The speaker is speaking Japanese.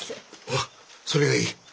ああそれがいい。